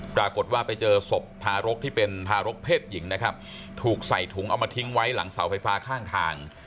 ปรากฏว่าไปเจอศพทารกที่เป็นทารกเพศหญิงนะครับถูกใส่ถุงเอามาทิ้งไว้หลังเสาไฟฟ้าข้างทาง